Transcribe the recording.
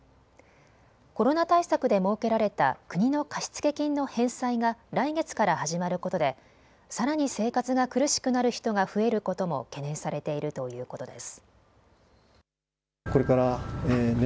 コロナ対策で設けられた国の貸付金の返済が来月から始まることでさらに生活が苦しくなる人が増えることも懸念されているということです。